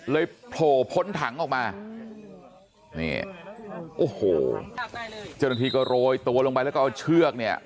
โผล่พ้นถังออกมานี่โอ้โหเจ้าหน้าที่ก็โรยตัวลงไปแล้วก็เอาเชือกเนี่ย